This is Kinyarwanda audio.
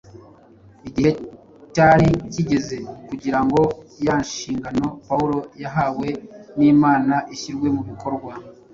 igihe cyari kigeze kugira ngo ya nshingano Pawulo yahawe n’Imana ishyirwe mu bikorwa